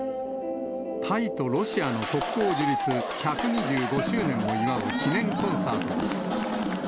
タイとロシアの国交樹立１２５周年を祝う記念コンサートです。